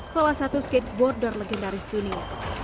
salah satu skateboarder legendaris dunia